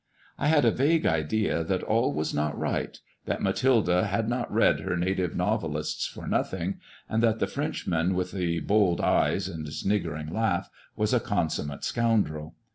I had a vague idea that all was not right — ^that Mathilde had not read her native novelists for nothing ; and that the Frenchman with the bold eyes and sniggering laugh was a consummate scoundrel.